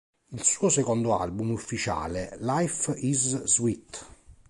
Il suo secondo album ufficiale "Life Is Sweet!